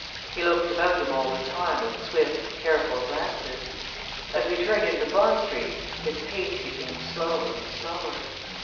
He looked about him all the time with swift, careful glances. As we turned into Bond Street his pace became slower and slower.